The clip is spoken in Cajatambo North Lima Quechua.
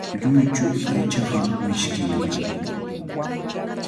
Lluychu aychaqa mishkinmi.